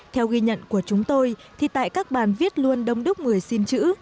theo ghi nhận của chúng tôi thì tại các bàn viết luôn đông đúc người xin chữ